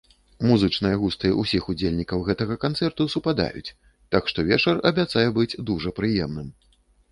Музычныя густы ўсіх удзельнікаў гэтага канцэрту супадаюць, так што вечар абяцае быць дужа прыемным.